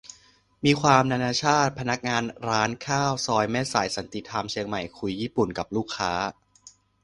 มีความนานาชาติ พนักงานร้านข้าวซอยแม่สาย สันติธรรม เชียงใหม่ คุยญี่ปุ่นกับลูกค้า